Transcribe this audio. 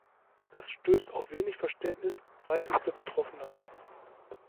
Das stößt auf wenig Verständnis seitens der Betroffenen.